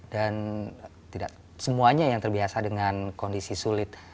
dan tidak semuanya yang terbiasa dengan kondisi sulit